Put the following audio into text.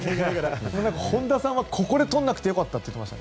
本田さんはここで取らなくてよかったって言ってました。